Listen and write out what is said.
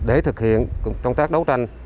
để thực hiện công tác đấu tranh